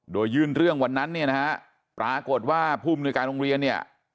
โดยยื่นเรื่องวันนั้นเนี่ยนะฮะปรากฏว่าผู้มนุยการโรงเรียนเนี่ย